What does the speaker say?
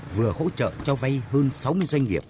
vừa hỗ trợ cho vay hơn sáu mươi doanh nghiệp